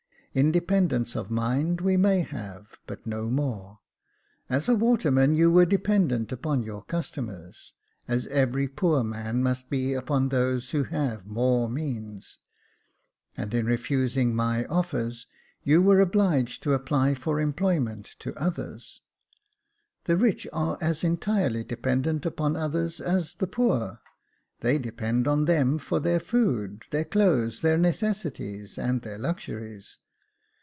Independence of mind we may have, but no more. As a waterman, you were dependent upon your customers, as every poor man must be upon those who have more means ; and in refusing my offers, you were obliged to apply for employment to others. The rich are as entirely dependent upon others as the poor ; they depend upon them for their food, their clothes, their necessities, and their luxuries.